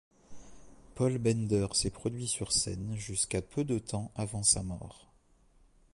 Paul Bender s'est produit sur scène jusqu'à peu de temps avant sa mort.